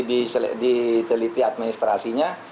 di teliti administrasinya